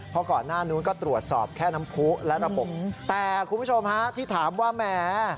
เพราะก่อนหน้านู้นก็ตรวจสอบแค่น้ำผู้และระบบแต่คุณผู้ชมฮะที่ถามว่าแหม